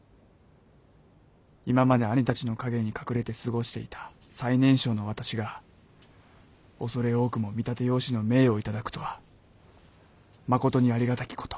今まで兄たちの陰に隠れて過ごしていた最年少の私が畏れ多くも見立て養子の命を頂くとはまことにありがたきこと。